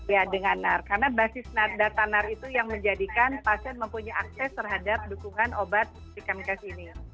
ya dengan nar karena basis data nar itu yang menjadikan pasien mempunyai akses terhadap dukungan obat si kemkes ini